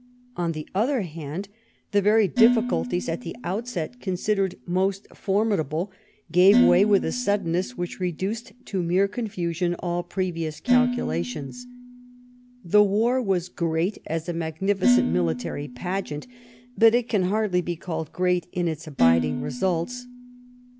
On the other hand, the very diffi culties at the outset considered most formidable gave way with a suddenness which reduced to mere confu sion all previous calculations. The war was great as a magnificent military pageant, but it can hardly be called great in its abiding results.